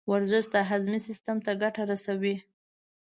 ورزش د هاضمې سیستم ته ګټه رسوي.